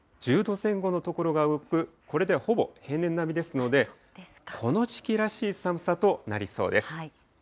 １０度前後の所が多く、これでほぼ平年並みですので、この時期らしい寒さとなりそうです。